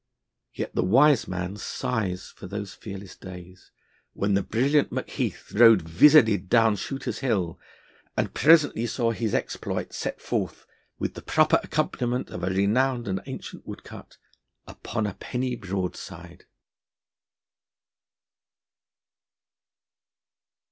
Yet the wise man sighs for those fearless days, when the brilliant Macheath rode vizarded down Shooter's Hill, and presently saw his exploits set forth, with the proper accompaniment of a renowned and ancient woodcut, upon a penny broadside.